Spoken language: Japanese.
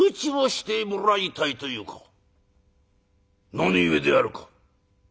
何故であるか？」。